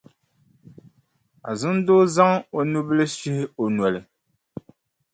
Azindoo zaŋ o nubila shihi o noli.